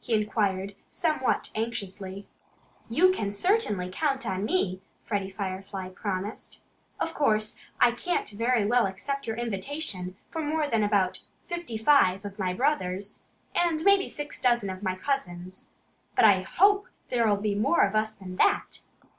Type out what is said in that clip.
he inquired somewhat anxiously. "You certainly can count on me," Freddie Firefly promised. "Of course, I can't very well accept your invitation for more than about fifty five of my brothers and maybe six dozen of my cousins. But I HOPE there'll be more of us than that."